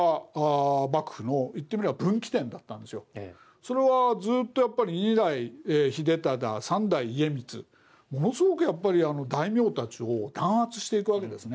それはずっとやっぱり２代秀忠３代家光ものすごくやっぱり大名たちを弾圧していくわけですね。